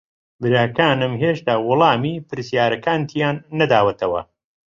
براکانم هێشتا وەڵامی پرسیارەکانتیان نەداوەتەوە.